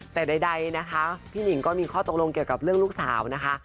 แต่ใดนะคะพี่หนิงก็มีข้อตกลงเกี่ยวกับเรื่องลูกสาวนะคะ